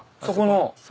そこの。